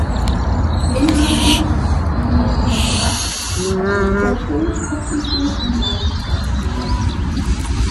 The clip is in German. Inhaltlich definierte sich Max als ein Foto-, Popkultur und Lifestyle-Magazin.